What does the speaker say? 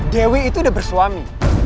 dewi itu udah bersuami